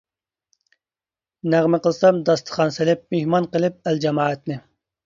نەغمە قىلسام داستىخان سېلىپ مېھمان قىلىپ ئەل جامائەتنى.